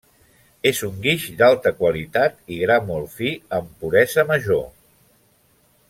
És un guix d'alta qualitat i gra molt fi, amb puresa major.